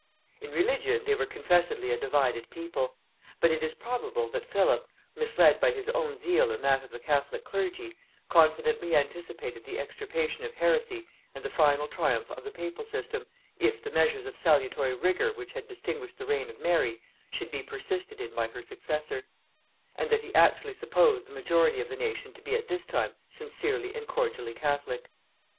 In religion they were confessedly a divided people; but it is probable that Philip, misled by his own zeal and that of the catholic clergy, confidently anticipated the extirpation of heresy and the final triumph of the papal system, if the measures of salutary rigor which had distinguished the reign of Mary should be persisted in by her successor; and that he actually supposed the majority of the nation to be at this time sincerely and cordially catholic.